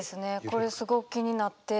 これすごく気になって。